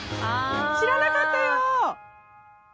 知らなかったよ！